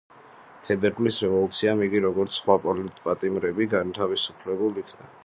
თებერვლის რევოლუციამ, იგი როგორც სხვა პოლიტპატიმრები განთავისუფლებულ იქნა.